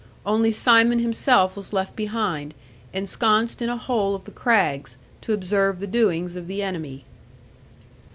Only Simon himself was left behind, ensconced in a hole of the crags, to observe the doings of the enemy.